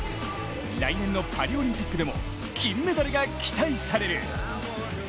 来年のパリオリンピックでも金メダルが期待される。